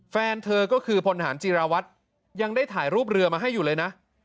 แฟนเธอก็คือพลฐานจีราวัตรยังได้ถ่ายรูปเรือมาให้อยู่เลยนะ